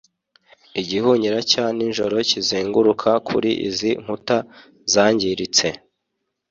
igihunyira cya nijoro kizenguruka kuri izi nkuta zangiritse